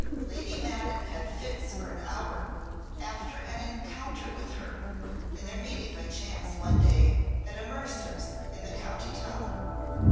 Lady Maddon had fits for an hour, after an encounter with her, in their meeting by chance one day at a mercer's in the county town.